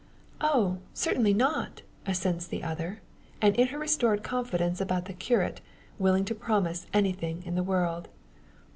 "Oh! certainly not," assents the other, in her restored confidence about the curate, willing to promise anything in the world.